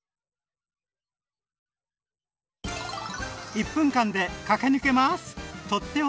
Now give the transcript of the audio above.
１分間で駆け抜けます！